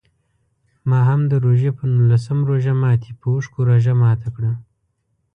ما هم د روژې په نولسم روژه ماتي په اوښکو روژه ماته کړه.